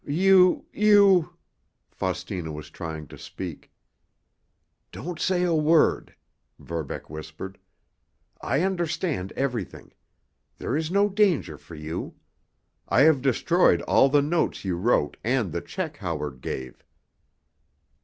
"You—you——" Faustina was trying to speak. "Don't say a word," Verbeck whispered. "I understand everything. There is no danger for you. I have destroyed all the notes you wrote and the check Howard gave."